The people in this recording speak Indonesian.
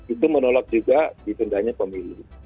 itu menolak juga ditundanya pemilu